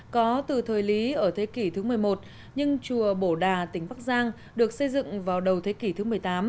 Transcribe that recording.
có từ thời lý ở thế kỷ thứ một mươi một nhưng chùa bổ đà tỉnh bắc giang được xây dựng vào đầu thế kỷ thứ một mươi tám